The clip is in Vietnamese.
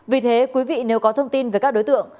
vì thế quý vị nếu có thông tin về các đối tượng